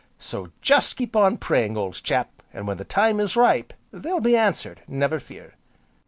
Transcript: So just keep on praying, old chap, and when the time is ripe, they'll be answered, never fear."